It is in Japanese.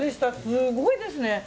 すごいですね。